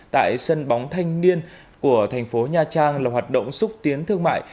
tại sân bóng thanh niên của thành phố nha trang là hoạt động xúc tiến thương mại